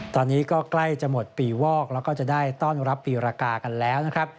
ตอนนี้ก็ใกล้จะหมดปีวอกแล้วก็จะได้ต้อนรับปีรากากันแล้วนะครับ